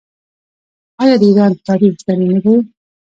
آیا د ایران تاریخ زرین نه دی؟